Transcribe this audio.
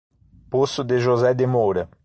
Poço de José de Moura